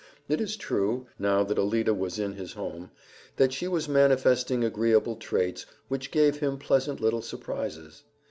It is true, now that Alida was in his home, that she was manifesting agreeable traits which gave him pleasant little surprises.